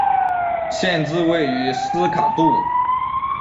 县治位于斯卡杜。